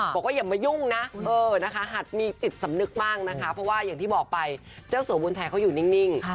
อย่ามายุ่งนะหัดมีจิตสำนึกบ้างนะคะเพราะว่าอย่างที่บอกไปเจ้าสัวบุญชัยเขาอยู่นิ่ง